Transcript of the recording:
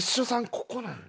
ここなんだ。